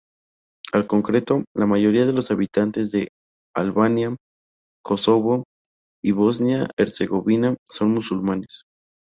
En concreto, la mayoría de los habitantes de Albania, Kosovo y Bosnia-Herzegovina son musulmanes.